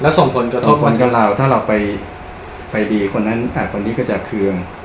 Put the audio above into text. แล้วส่งผลก็ส่งผลกับเราถ้าเราไปไปดีคนนั้นอ่าคนนี้ก็จะเครื่อง